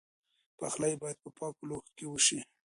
پخلی باید په پاکو لوښو کې وشي.